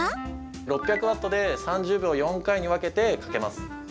６００ワットで３０秒を４回に分けて、かけます。